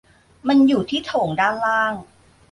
มันอยู่ที่โถงด้านล่าง